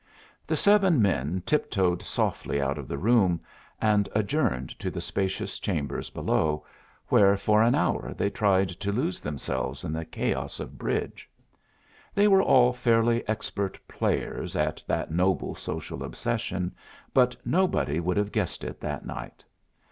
The seven men tiptoed softly out of the room, and adjourned to the spacious chambers below, where for an hour they tried to lose themselves in the chaos of bridge. They were all fairly expert players at that noble social obsession, but nobody would have guessed it that night.